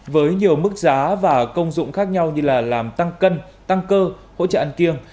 với nhiều mức giá và công dụng khác nhau như là làm tăng cân tăng cơ hỗ trợ ăn kiêng